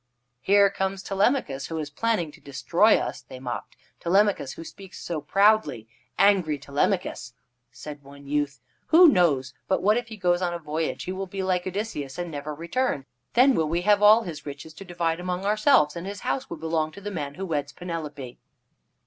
"Here comes Telemachus, who is planning to destroy us," they mocked. "Telemachus, who speaks so proudly angry Telemachus." Said one youth: "Who knows but what if he goes on a voyage he will be like Odysseus, and never return. Then will we have all his riches to divide among ourselves, and his house will belong to the man who weds Penelope."